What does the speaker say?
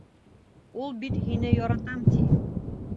Ул бит һине яратам, ти.